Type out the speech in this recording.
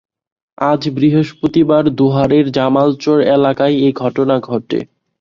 আজ বৃহস্পতিবার দোহারের জামালচর এলাকায় এ ঘটনা ঘটে।